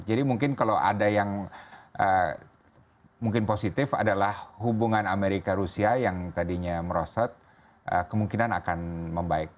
jadi mungkin kalau ada yang mungkin positif adalah hubungan amerika rusia yang tadinya merosot kemungkinan akan membaik